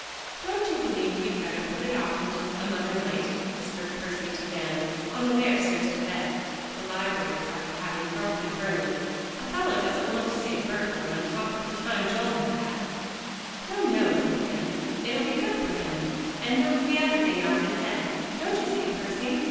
"Don't you believe we'd better put it off till some other night?" whispered Percy to Van on the way upstairs to bed, the library party having broken up early. "A fellow doesn't want to see a burglar on top of the time Joel has had." "No, no," said Van; "it'll be good for him, and knock the other thing out of his head, don't you see, Percy?